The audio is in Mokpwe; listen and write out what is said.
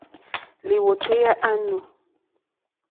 Lìwòtéyá á nù.